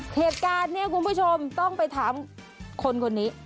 เหตุการณ์นี้คุณผู้ชมต้องไปถามคนคนนี้